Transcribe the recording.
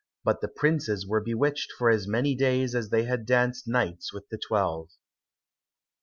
But the princes were bewitched for as many days as they had danced nights with the twelve.